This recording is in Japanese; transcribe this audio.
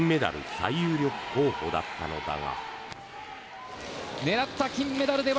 最有力候補だったのだが。